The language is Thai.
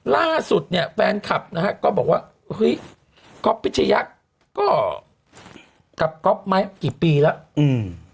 ล่าสุดเนี่ยแฟนคลับนะฮะก็บอกว่าคอปพิชยะก็กับคอปไม้กี่ปีแล้ว